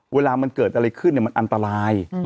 เวลามันเกิดอะไรขึ้นมันอันตราย